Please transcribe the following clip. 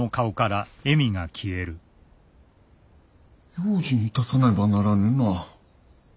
用心いたさねばならぬな。